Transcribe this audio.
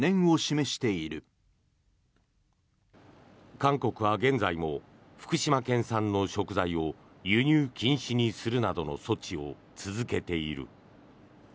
韓国は現在も福島県産の食材を輸入禁止にするなどの措置を続けている。